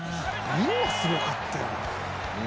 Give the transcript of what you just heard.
みんなすごかったよな。